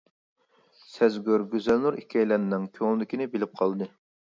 سەزگۈر گۈزەلنۇر ئىككىيلەننىڭ كۆڭلىدىكىنى بىلىپ قالدى.